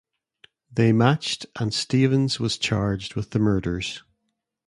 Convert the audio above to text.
They matched and Stevens was charged with the murders.